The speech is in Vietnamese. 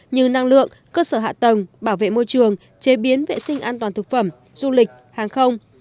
như năng lượng cơ sở hạ tầng bảo vệ môi trường chế biến vệ sinh an toàn thực phẩm du lịch hàng không